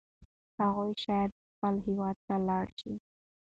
هغه شاید خپل هیواد ته لاړ شي.